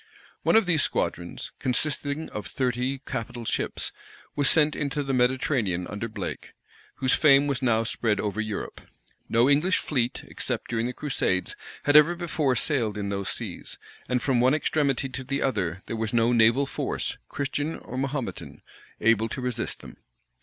One of these squadrons, consisting of thirty capital ships, was sent into the Mediterranean under Blake, whose fame was now spread over Europe. No English fleet, except during the crusades, had ever before sailed in those seas; and from one extremity to the other there was no naval force, Christian or Mahometan, able to resist them.